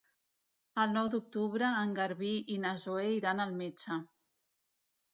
El nou d'octubre en Garbí i na Zoè iran al metge.